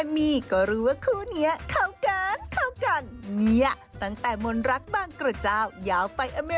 โปรดติดตามตอนต่อไป